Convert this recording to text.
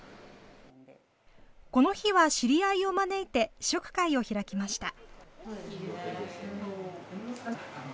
この日は、知り合いを招いて、試食会を開きました。